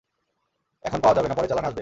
এখন পাওয়া যাবে না, পরের চালানে আসবে।